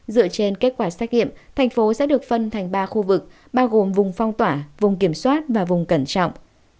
dựa trên kết quả xét nghiệm thành phố sẽ được phân thành ba khu vực bao gồm vùng phong tỏa vùng kiểm soát và vùng cẩn trọng